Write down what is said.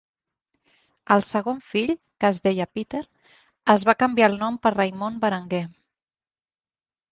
El segon fill, que es deia Peter, es va canviar el nom per Raymond Berenguer.